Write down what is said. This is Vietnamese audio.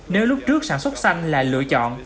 nếu lúc trước sản xuất xanh là lựa chọn